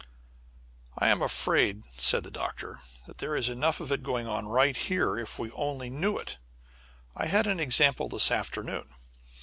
"I am afraid," said the Doctor, "that there is enough of it going on right here if we only knew it. I had an example this afternoon.